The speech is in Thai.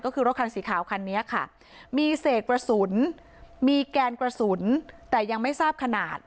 ก็คือรถคันสีขาวคันนี้ค่ะมีเศษกระสุนมีแกนกระสุนแต่ยังไม่ทราบขนาด